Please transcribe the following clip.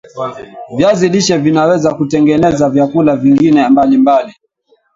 Viazi lishe vinaweza kutengeneza vyakula vingine mbali mbali